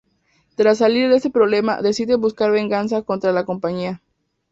Tras salir de este problema, decide buscar venganza contra de "la Compañía".